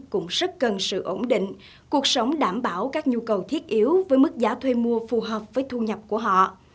cũng rất cần sự ổn định cuộc sống đảm bảo các nhu cầu thiết yếu với mức giá thuê mua phù hợp với thu nhập của họ